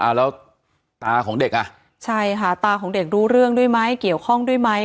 แล้วตาของเด็กอ่ะใช่ค่ะตาของเด็กรู้เรื่องด้วยไหมเกี่ยวข้องด้วยไหม